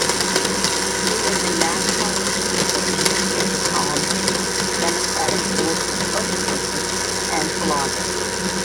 He is a nationally syndicated newspaper columnist, Democratic political spokesperson, and blogger.